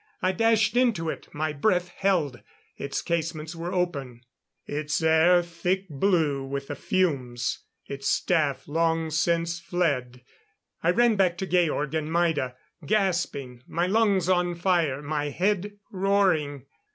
I dashed into it, my breath held. Its casements were open; its air thick blue with the fumes; its staff long since fled. I ran back to Georg and Maida, gasping, my lungs on fire, my head roaring.